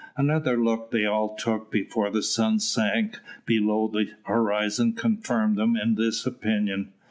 Another look they all took before the sun sank below the horizon confirmed them in this opinion.